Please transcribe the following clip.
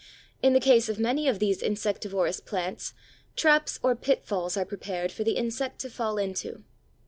In the case of many of these insectivorous plants, traps or pitfalls are prepared for the insect to fall into.